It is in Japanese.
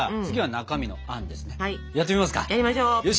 よし！